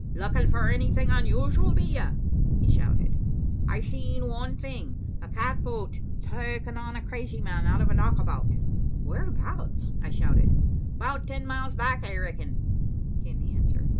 "Lookin' for anything unusual, be ye?" he shouted. "I've seen one thing, a catboat takin' on a crazy man out of a knockabout." "Whereabouts?" I shouted. "'Bout ten miles back, I reckon," came the answer.